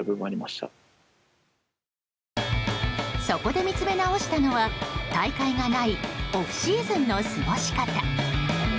そこで見つめ直したのは大会がないオフシーズンの過ごし方。